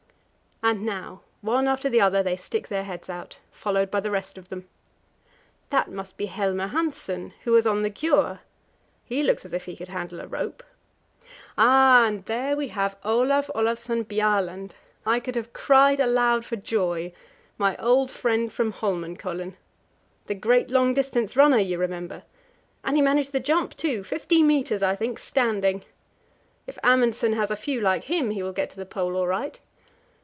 And now, one after the other they stick their heads out, followed by the rest of them. That must be Helmer Hanssen, who was on the Gjöa; he looks as if he could handle a rope. Ah, and there we have Olav Olavson Bjaaland! I could have cried aloud for joy my old friend from Holmenkollen. The great long distance runner, you remember. And he managed the jump, too 50 metres, I think standing. If Amundsen has a few like him, he will get to the Pole all right.